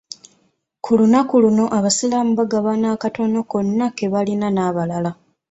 Ku lunaku luno abasiraamu bagabana akatono konns ke balina n'abalala.